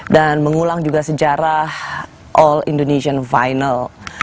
dan mengulang juga sejarah all indonesian final